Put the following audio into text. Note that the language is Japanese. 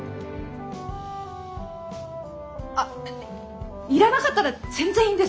あっ要らなかったら全然いいんです！